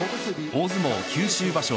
大相撲九州場所